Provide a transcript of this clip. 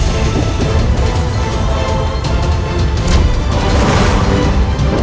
sebentar lagi ajahmu akan tiba